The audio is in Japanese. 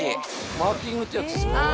マーキングってやつですか？